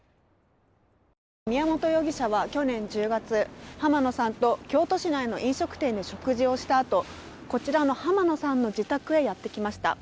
宮本容疑者は去年１０月浜野さんと京都市内の飲食店で食事をしたあとこちらの浜野さんの自宅へやってきました。